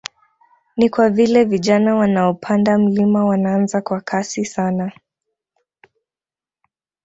Ni kwa vile vijana wanaopanda mlima wanaanza kwa kasi sana